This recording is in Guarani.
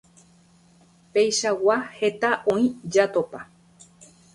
Peichagua heta oĩ jatopa.